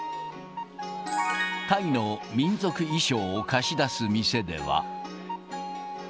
タイの民族衣装を貸し出す店では。